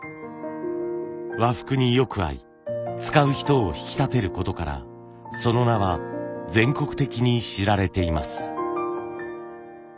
和服によく合い使う人を引き立てることからその名は全国的に知られています。